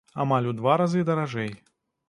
Амаль у два разы даражэй.